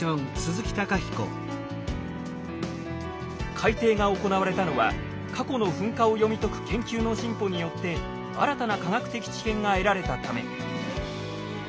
改定が行われたのは過去の噴火を読み解く研究の進歩によって新たな科学的知見が得られたため。